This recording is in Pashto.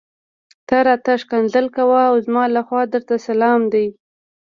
ته راته ښکنځل کوه او زما لخوا درته سلام دی.